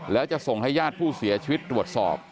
แล้วจะส่งให้ญาติผู้เสียชีวิตตรวจสอบ